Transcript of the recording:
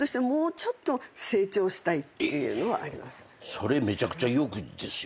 それめちゃくちゃ欲ですよ。